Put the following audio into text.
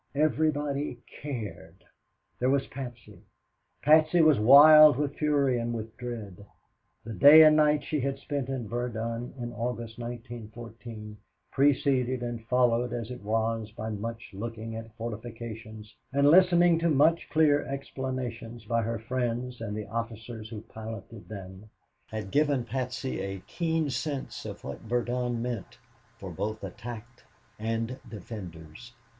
Everybody cared. There was Patsy. Patsy was wild with fury and with dread. The day and night she had spent in Verdun in August, 1914 preceded and followed as it was by much looking at fortifications and listening to much clear explanations by her friends and the officers who piloted them had given Patsy a keen sense of what Verdun meant for both attacked and defenders.